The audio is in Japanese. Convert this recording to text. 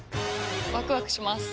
ワクワクします。